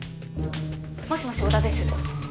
もしもし織田です。